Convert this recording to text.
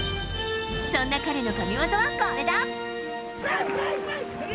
そんな彼の神技はこれだ。